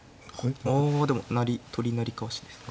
あでも成り取り成りかわしですか。